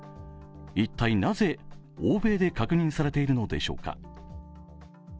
一体、なぜ欧米で確認されているのでしょうか。